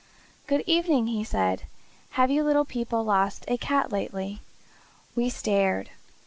"Good evening," he said. "Have you little people lost a cat lately?" We stared.